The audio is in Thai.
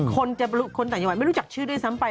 คนต่างจังหวัดไม่รู้จักชื่อด้วยซ้ำไป